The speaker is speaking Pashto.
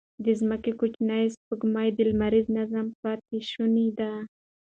د ځمکې کوچنۍ سپوږمۍ د لمریز نظام پاتې شوني دي.